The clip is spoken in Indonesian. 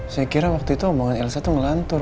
saya kira waktu itu omongan elsa tuh ngelantur